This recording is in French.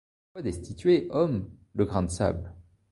Pourquoi destituer, homme, le grain de sable ?